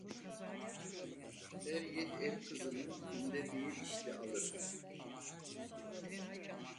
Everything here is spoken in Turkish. Her yiğit el kızını, düğünde değil işte alır…